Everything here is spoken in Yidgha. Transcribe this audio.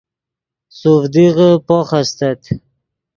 سوڤدیغے پوخ استت